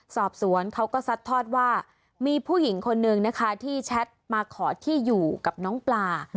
สอบสวนเขาก็ซัดทอดว่ามีผู้หญิงคนนึงนะคะที่แชทมาขอที่อยู่กับน้องปลา